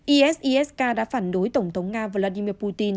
isis k đã phản đối tổng thống nga vladimir putin